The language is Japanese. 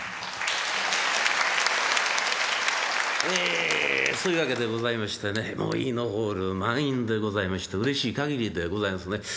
えそういうわけでございましてねイイノホール満員でございましてうれしい限りでございますね。